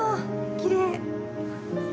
きれい！